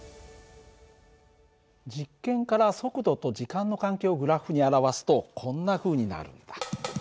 実験から速度と時間の関係をグラフに表すとこんなふうになるんだ。